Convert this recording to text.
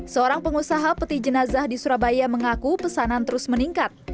seorang pengusaha peti jenazah di surabaya mengaku pesanan terus meningkat